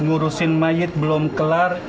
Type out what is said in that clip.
ngurusin mayit belum kelar